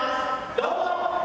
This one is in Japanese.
どうぞ！」